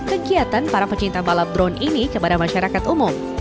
kegiatan para pecinta balap drone ini kepada masyarakat umum